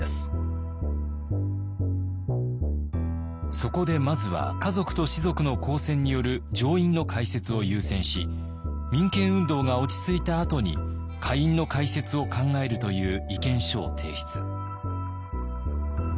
そこでまずは華族と士族の公選による上院の開設を優先し民権運動が落ち着いたあとに下院の開設を考えるという意見書を提出。